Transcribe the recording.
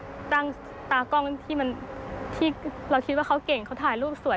ก็ตั้งตากล้องที่เราคิดว่าเขาเก่งเขาถ่ายรูปสวย